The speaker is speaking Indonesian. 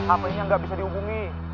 amelinya gak bisa dihubungi